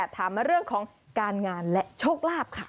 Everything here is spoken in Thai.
ถามมาเรื่องของการงานและโชคลาภค่ะ